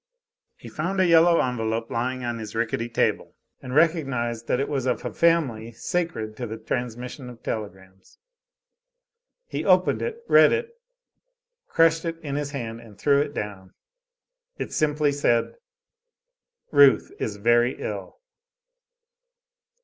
He found a yellow envelope lying on his rickety table, and recognized that it was of a family sacred to the transmission of telegrams. He opened it, read it, crushed it in his hand and threw it down. It simply said: "Ruth is very ill."